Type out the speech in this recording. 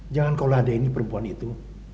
jangan kau ladeh ini perempuan itu